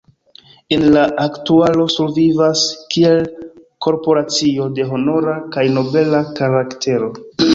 En la aktualo survivas kiel korporacio de honora kaj nobela karaktero.